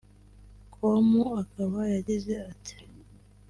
com akaba yagize ati